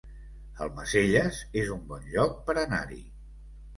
Almacelles es un bon lloc per anar-hi